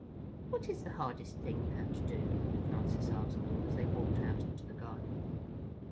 "What is the hardest thing you have to do?" Francis asked as they walked out into the garden.